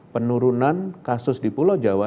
penurunan kasus di pulau jawa